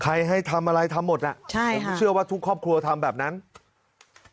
ใครให้ทำอะไรทำหมดน่ะผมเชื่อว่าทุกครอบครัวทำแบบนั้นใช่ค่ะ